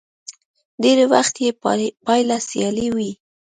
ډېری وخت يې پايله سیالي وي.